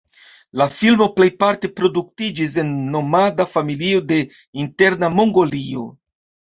La filmo plejparte produktiĝis en nomada familio de Interna Mongolio.